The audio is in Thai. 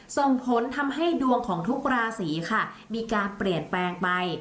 ส่งผลทำให้ดวงของทุกราศีค่ะมีการเปลี่ยนแปลงไป